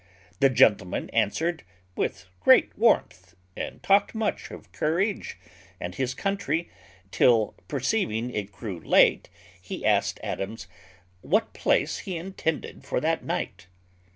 The gentleman answered with great warmth, and talked much of courage and his country, till, perceiving it grew late, he asked Adams, "What place he intended for that night?"